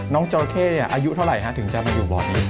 น้องจอลาเค้นี่อายุเท่าไรถึงจะมาอยู่บ่อนี้